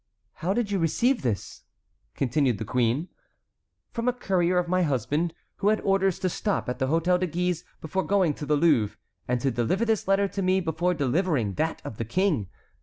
"How did you receive this?" continued the queen. "From a courier of my husband, who had orders to stop at the Hôtel de Guise before going to the Louvre, and to deliver this letter to me before delivering that of the King.